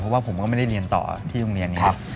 เพราะว่าผมก็ไม่ได้เรียนต่อที่โรงเรียนนี้ครับ